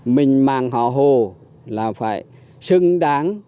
mình mang họ hồ là phải xứng đáng